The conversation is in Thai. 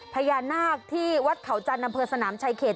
พญานาคที่วัดเขาจันทร์อำเภอสนามชายเขต